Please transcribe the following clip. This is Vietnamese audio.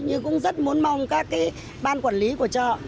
nhưng cũng rất muốn mong các cái ban quản lý của chợ